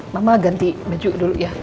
mama ganti baju dulu ya